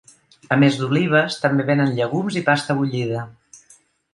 A més d’olives, també venen llegums i pasta bullida.